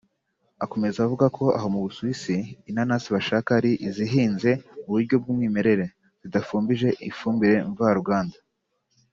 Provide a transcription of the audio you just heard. Akomeza avuga ko aho mu Busuwisi inanasi bashaka ari izihinze mu buryo bw’umwimerere zidafumbije ifumbire mvaruganda